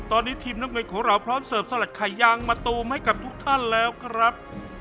ตอนนี้ทีมน้ำเงินของเราพร้อมเสิร์ฟสลัดไข่ยางมาตูมให้กับทุกท่านแล้วครับ